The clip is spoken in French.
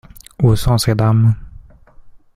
Où sont ces dames ?